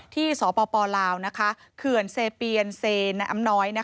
สปลาวเขื่อนเซเปียนเซน้ำน้อย